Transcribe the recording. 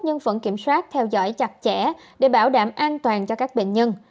nhân phẩm kiểm soát theo dõi chặt chẽ để bảo đảm an toàn cho các bệnh nhân